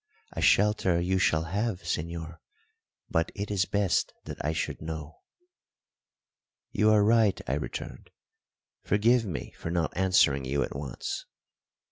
A shelter you shall have, señor; but it is best that I should know." "You are right," I returned, "forgive me for not answering you at once.